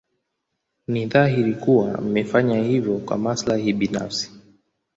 Ni dhahiri kuwa amefanya hivyo kwa maslahi binafsi.